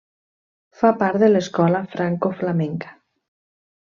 Fa part de l'escola francoflamenca.